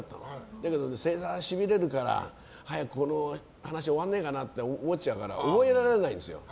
だけど、正座しびれるから。早くこの話終わんねえかなって思っちゃうから覚えられないんですよ。